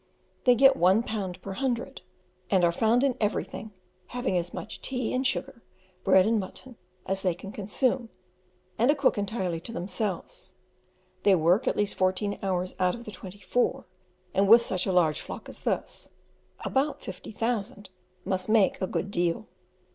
They get one pound per hundred, and are found in everything, having as much tea and sugar, bread and mutton, as they can consume, and a cook entirely to themselves; they work at least fourteen hours out of the twenty four, and with such a large flock as this about 50,000 must make a good deal.